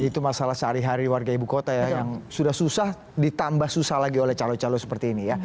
itu masalah sehari hari warga ibu kota ya yang sudah susah ditambah susah lagi oleh calon calon seperti ini ya